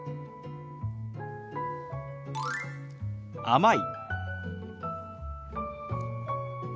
「甘い」。